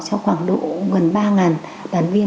cho khoảng độ gần ba đoàn viên